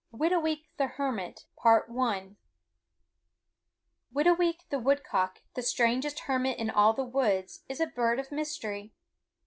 WHITOOWEEK THE HERMIT Whitooweek, the woodcock, the strangest hermit in all the woods, is a bird of mystery.